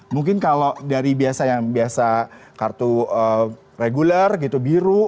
mungkin kalau dari biasa yang biasa kartu reguler gitu biru